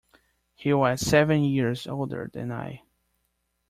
He was seven years older than I.